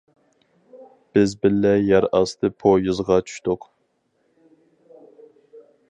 بىز بىللە يەر ئاستى پويىزغا چۈشتۇق.